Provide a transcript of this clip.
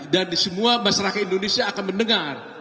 dan semua masyarakat indonesia akan mendengar